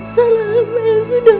salah hamba yang sudah